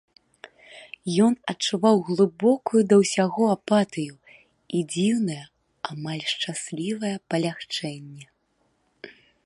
Ён адчуваў глыбокую да ўсяго апатыю і дзіўнае, амаль шчаслівае палягчэнне.